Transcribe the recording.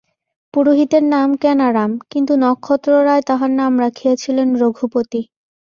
পুরোহিতের নাম কেনারাম, কিন্তু নক্ষত্ররায় তাহার নাম রাখিয়াছিলেন রঘুপতি।